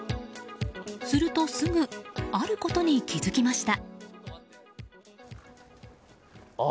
すると、すぐあることに気付きました。